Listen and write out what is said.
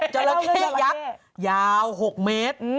จราเข้ยักษ์ยาว๖เมตร